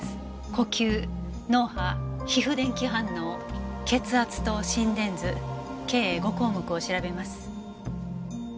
呼吸脳波皮膚電気反応血圧と心電図計５項目を調べます。